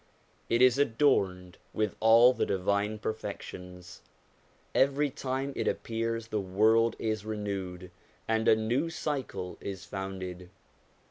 It is adorned with all the divine perfections. Every time it appears the world is renewed, and a new cycle is founded.